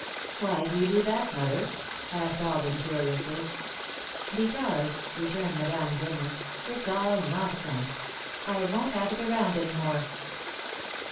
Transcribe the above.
"Why do you do that, Mother?" asked Alden, curiously. "Because," returned Madame, grimly, "it's all nonsense. I won't have it around any more."